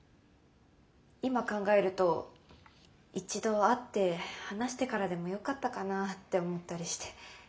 今考えると一度会って話してからでもよかったかなあって思ったりして。